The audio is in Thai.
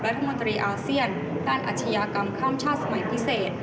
รัฐมนตรีอาเซียนด้านอาชญากรรมข้ามชาติสมัยพิเศษ